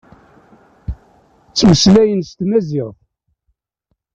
Ttmeslayen s tmaziɣt.